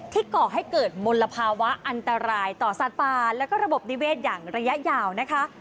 ก่อให้เกิดมลภาวะอันตรายต่อสัตว์ป่าแล้วก็ระบบนิเวศอย่างระยะยาวนะคะ